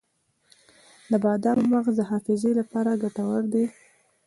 د بادامو مغز د حافظې لپاره ګټور دی.